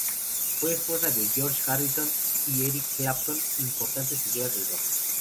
Fue esposa de George Harrison y Eric Clapton, importantes figuras del "rock".